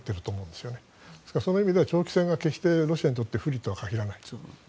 ですからその意味では長期戦はロシアにとって不利とは限らない。